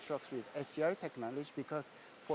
truk eur empat dengan teknologi scr